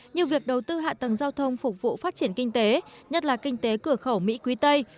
như việc đầu tư hạ tầng giao thông phục vụ phát triển kinh tế nhất là kinh tế cửa khẩu mỹ quý tây